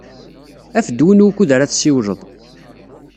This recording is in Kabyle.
Af-d win wukud ara tessiwled.